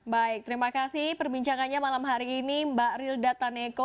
baik terima kasih perbincangannya malam hari ini mbak rilda taneko